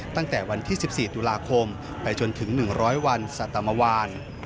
ตั้งแต่วันที่๑๔ตุลาคมไปจนถึง๑๐๐วันสัตมวาน